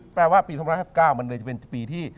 แปลว่าปี๒๕๙มันเลยจะเป็นปีที่